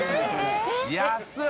安い！